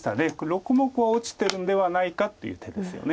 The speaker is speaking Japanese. ６目は落ちてるんではないかっていう手ですよね